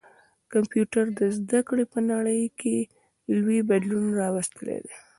کمپيوټر د زده کړي په نړۍ کي لوی بدلون راوستلی دی.